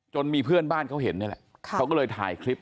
มีเพื่อนบ้านเขาเห็นนี่แหละเขาก็เลยถ่ายคลิป